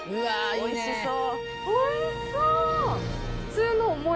おいしそう。